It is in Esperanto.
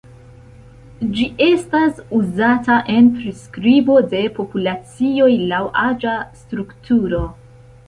Ĝi estas uzata en priskribo de populacioj laŭ aĝa strukturo.